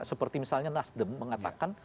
seperti misalnya nasdem mengatakan